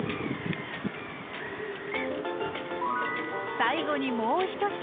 最後にもう１品。